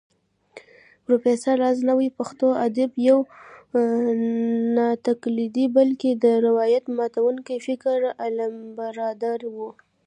پروفېسر راز نوې پښتو ادب يو ناتقليدي بلکې د روايت ماتونکي فکر علمبردار و